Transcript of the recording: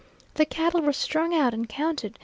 The cattle were strung out and counted.